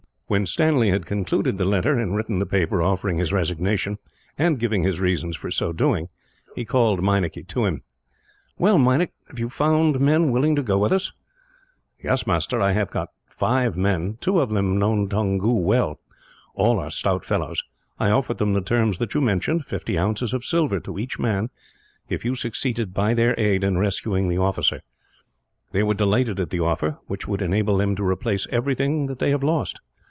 When Stanley had concluded the letter, and written the paper offering his resignation, and giving his reasons for so doing, he called Meinik to him. "Well, Meinik, have you found men willing to go with us?" "Yes, master, I have got five men; two of them know Toungoo well. All are stout fellows. I offered them the terms that you mentioned fifty ounces of silver, to each man, if you succeeded by their aid in rescuing the officer. They were delighted at the offer, which would enable them to replace everything that they have lost.